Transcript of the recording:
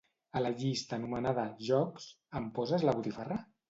A la llista anomenada "jocs", em poses la botifarra?